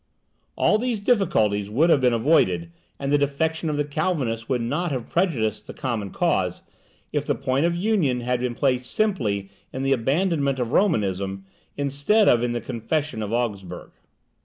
All these difficulties would have been avoided, and the defection of the Calvinists would not have prejudiced the common cause, if the point of union had been placed simply in the abandonment of Romanism, instead of in the Confession of Augsburg.